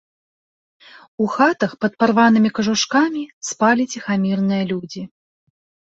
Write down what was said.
У хатах пад парванымі кажушкамі спалі ціхамірныя людзі.